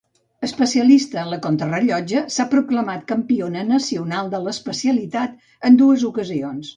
Especialista en la contrarellotge, s'ha proclamat campiona nacional de l'especialitat, en dues ocasions.